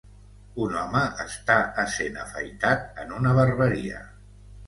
Un home està essent afaitat en una barberia.